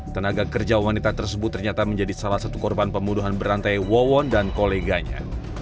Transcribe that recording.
tenaga kerja wanita tersebut ternyata menjadi salah satu korban pembunuhan berantai wawon dan koleganya